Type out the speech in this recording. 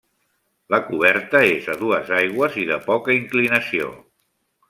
La coberta és a dues aigües i de poca inclinació.